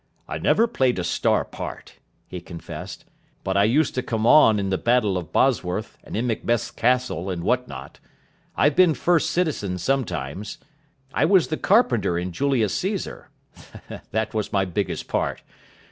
"I never played a star part," he confessed, "but I used to come on in the Battle of Bosworth and in Macbeth's castle and what not. I've been First Citizen sometimes. I was the carpenter in Julius Caesar. That was my biggest part.